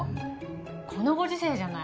このご時世じゃない。